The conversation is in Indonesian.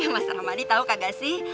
mas rahmadi tau gak sih